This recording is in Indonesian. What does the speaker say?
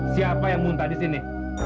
siapa yang muntah di sini